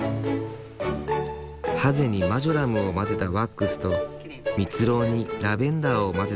ハゼにマジョラムを混ぜたワックスと蜜蝋にラベンダーを混ぜたワックス。